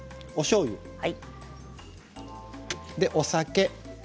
おしょうゆ、お酒。